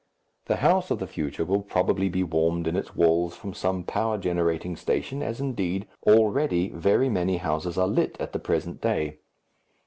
The house of the future will probably be warmed in its walls from some power generating station, as, indeed, already very many houses are lit at the present day.